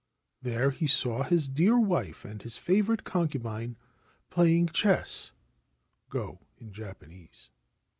There he saw his dear wife and his favourite concubine playing chess (' go/ in Japanese).